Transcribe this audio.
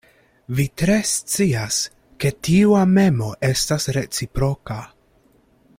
Vi tre scias, ke tiu amemo estas reciproka.